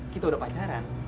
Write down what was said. kita udah pacaran